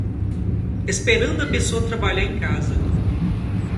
Esperando a pessoa trabalhar em casa